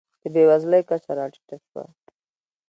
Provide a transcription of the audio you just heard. د بېوزلۍ کچه راټیټه شوه.